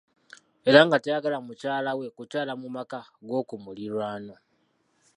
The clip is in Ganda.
Era nga tayagala mukyala we kukyaala mu maka g'okumirirwano.